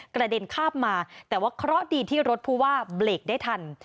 กระเด็นคาบมาแต่ว่าเคราะห์ดีที่รถผู้ว่าเบรกได้ทัน